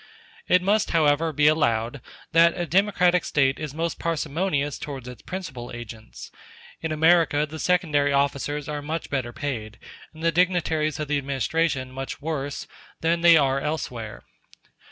It must, however, be allowed that a democratic State is most parsimonious towards its principal agents. In America the secondary officers are much better paid, and the dignitaries of the administration much worse, than they are elsewhere.